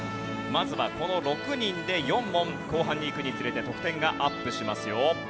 まずはこの６人で４問後半に行くにつれて得点がアップしますよ。